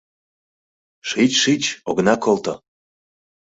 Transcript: Шич, шич, огына колто.